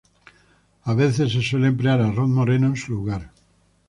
A veces se suele emplear arroz moreno en su lugar.